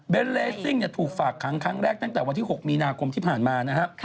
เลสซิ่งถูกฝากค้างครั้งแรกตั้งแต่วันที่๖มีนาคมที่ผ่านมานะฮะ